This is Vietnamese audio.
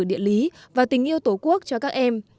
địa lý và tình yêu tổ quốc cho các em